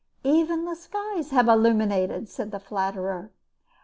"Even the skies have illuminated," said the flatterer.